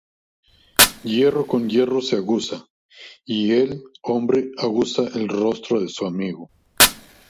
Hierro con hierro se aguza; Y el hombre aguza el rostro de su amigo.